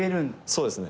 そうですね。